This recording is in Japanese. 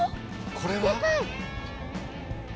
これは？